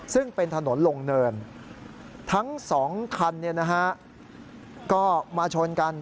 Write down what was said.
ซึ่งเป็นถนนลงเนินทั้ง๒คันก็มาชนกัน